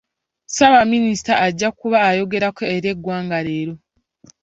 Ssaabaminisita ajja kuba ayogerako eri eggwanga leero.